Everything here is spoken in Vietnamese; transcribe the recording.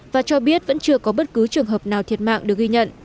và cho biết vẫn chưa có bất cứ trường hợp nào thiệt mạng được ghi nhận